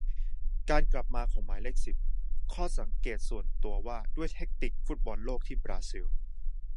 การกลับมาของหมายเลขสิบ : ข้อสังเกตส่วนตัวว่าด้วยแทคติคฟุตบอลโลกที่บราซิล